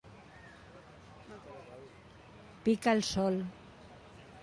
Picar el sol.